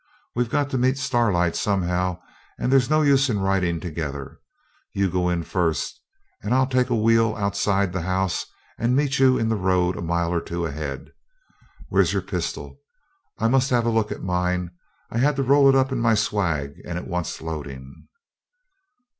We've got to meet Starlight somehow, and there's no use in riding in together. You go in first, and I'll take a wheel outside the house and meet you in the road a mile or two ahead. Where's your pistol? I must have a look at mine. I had to roll it up in my swag, and it wants loading.'